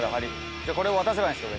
じゃあこれを渡せばいいんですか？